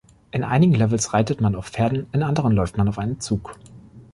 In einigen Levels reitet man auf Pferden, in anderen läuft man auf einem Zug.